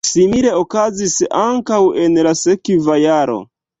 Simile okazis ankaŭ en la sekva jaro.